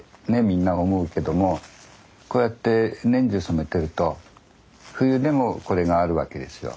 みんな思うけどもこうやって年中染めてると冬でもこれがあるわけですよ。